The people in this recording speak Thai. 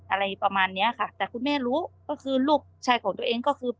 อะไรประมาณเนี้ยค่ะแต่คุณแม่รู้ก็คือลูกชายของตัวเองก็คือ